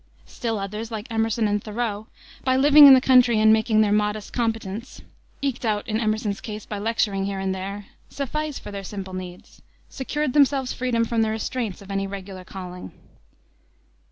Still others, like Emerson and Thoreau, by living in the country and making their modest competence eked out in Emerson's case by lecturing here and there suffice for their simple needs, secured themselves freedom from the restraints of any regular calling.